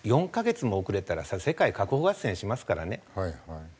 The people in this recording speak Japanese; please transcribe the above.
４カ月も遅れたら世界確保合戦しますからね。